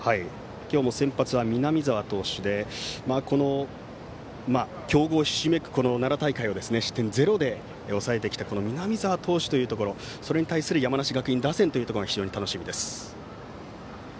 今日も先発は南澤投手で強豪ひしめく奈良大会を失点ゼロで抑えてきた南澤投手というところそれに対する山梨学院打線が非常に楽しみです。